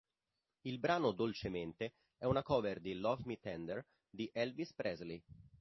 Il brano "Dolcemente" è una cover di "Love Me Tender" di Elvis Presley.